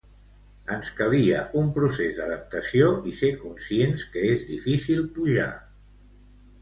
Ens calia un procés d'adaptació i ser conscients que és difícil pujar.